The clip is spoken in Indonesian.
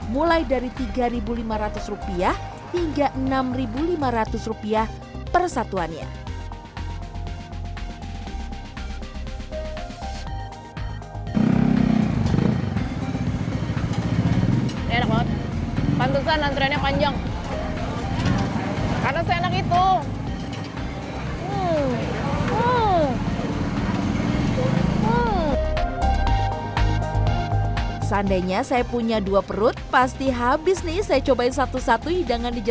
mulai dari tiga lima ratus rupiah hingga enam lima ratus rupiah persatuannya